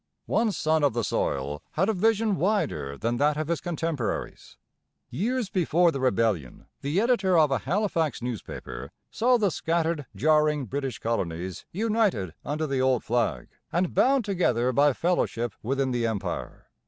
One son of the soil had a vision wider than that of his contemporaries. Years before the rebellion the editor of a Halifax newspaper saw the scattered, jarring British colonies united under the old flag, and bound together by fellowship within the Empire.